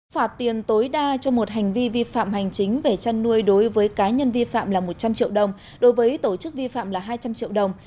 phạt tiền tối đa cho một hành vi vi phạm hành chính về chăn nuôi đối với cá nhân vi phạm là một trăm linh triệu đồng đối với tổ chức vi phạm là hai trăm linh triệu đồng